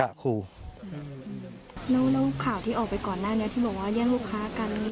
แล้วลูกข่าวที่ออกไปก่อนหน้าเนี่ย